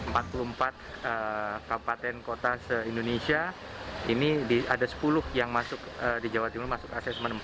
empat puluh empat kabupaten kota se indonesia ini ada sepuluh yang masuk di jawa timur masuk asesmen empat